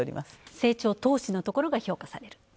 成長投資のところが評価される。